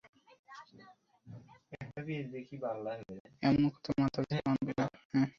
এমন কথা মাথাতেও আনবে না।